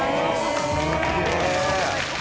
すげえ。